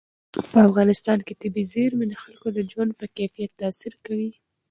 په افغانستان کې طبیعي زیرمې د خلکو د ژوند په کیفیت تاثیر کوي.